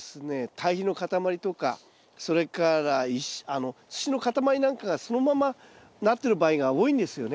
堆肥の塊とかそれから土の塊なんかがそのままなってる場合が多いんですよね。